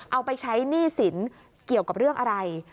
เอาไปใช้หนี้สินเกี่ยวกับเรื่องอะไร